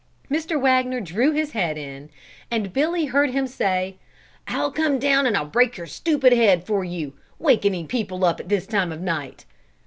Mr. Wagner drew his head in, and Billy heard him say, "I'll come down and break your stupid head for you, wakening people up this time of the night!"